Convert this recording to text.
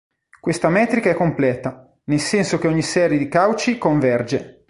Questa metrica è completa, nel senso che ogni serie di Cauchy converge.